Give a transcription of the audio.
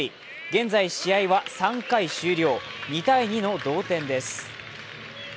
現在試合は３回終了２−２の同点です。